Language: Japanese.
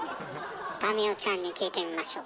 民生ちゃんに聞いてみましょう。